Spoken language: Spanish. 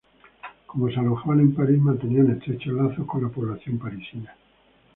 Como se alojaban en París, mantenían estrechos lazos con la población parisina.